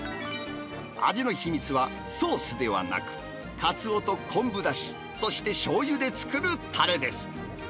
味の秘密はソースではなく、かつおと昆布だし、そしてしょうゆで作るたれです。